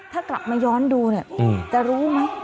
ถ้ากลับมาย้อนดูเนี่ยจะรู้ไหม